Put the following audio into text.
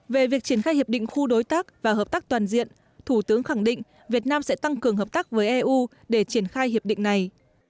về việc triển khai hiệp định khu đối tác và hợp tác toàn diện thủ tướng khẳng định việt nam sẽ tăng cường hợp tác với eu để triển khai hiệp định này